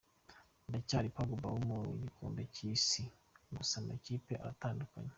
Ndacyari Pogba wo mu gikombe cy’isi gusa amakipe aratandukanye.